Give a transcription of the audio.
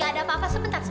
gak ada apa apa sebentar